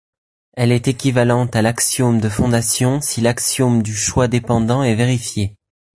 Elle est équivalente à l'axiome de fondation si l'axiome du choix dépendant est vérifié.